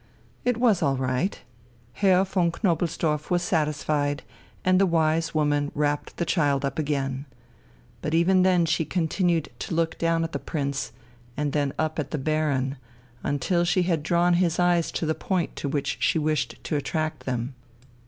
It was all right. Herr von Knobelsdorff was satisfied, and the wise woman wrapped the child up again. But even then she continued to look down at the Prince and then up at the Baron, until she had drawn his eyes to the point to which she wished to attract them.